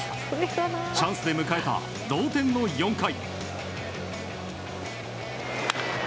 チャンスで迎えた同点の４回。